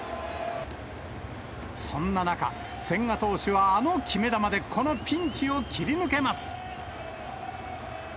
そんな中、千賀投手はあの決め球でこのピンチを切り抜けます。